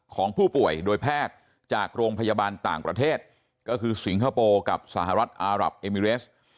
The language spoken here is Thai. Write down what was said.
ของผู้ป่วยโดยแพทย์จากโรงพยาบาลต่างประเทศก็คือสิงคโปร์กับสหรัฐอารับเอมิเรส